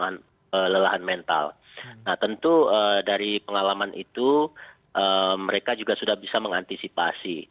nah tentu dari pengalaman itu mereka juga sudah bisa mengantisipasi